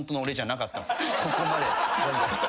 ここまで。